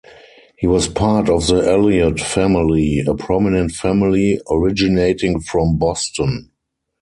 He was part of the Eliot family, a prominent family originating from Boston.